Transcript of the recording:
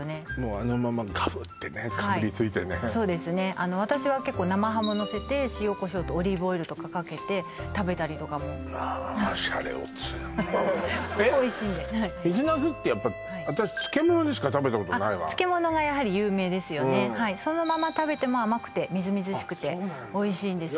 あの私は結構生ハムのせて塩コショウとオリーブオイルとかかけて食べたりとかもまあシャレオツなおいしいんでえっ水なすってやっぱ私漬物でしか食べたことないわあっ漬物がやはり有名ですよねはいそのまま食べても甘くてみずみずしくてあっそうなんだおいしいんです